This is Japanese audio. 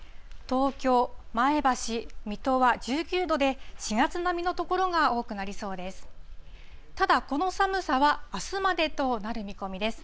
東京、前橋、水戸は１９度で、４月並みの所が多くなりそうです。